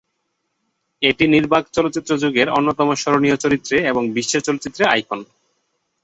এটি নির্বাক চলচ্চিত্র যুগের অন্যতম স্মরণীয় চরিত্রে এবং বিশ্ব চলচ্চিত্রের আইকন।